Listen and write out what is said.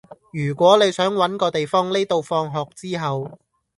如果你想搵個地方匿到放學之後